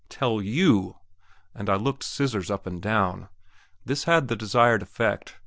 "Tell you?" and I looked "Scissors" up and down. This had the desired effect.